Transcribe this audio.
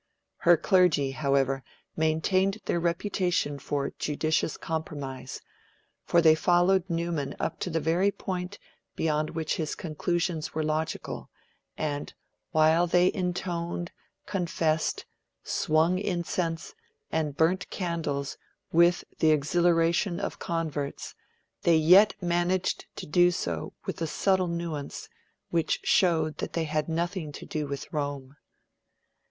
Her clergy, however, maintained their reputation for judicious compromise, for they followed Newman up to the very point beyond which his conclusions were logical, and, while they intoned, confessed, swung incense, and burned candles with the exhilaration of converts, they yet managed to do so with a subtle nuance which showed that they had nothing to do with Rome.